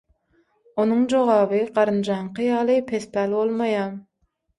Onuň jogaby garynjanyňky ýaly pespäl bolmaýar.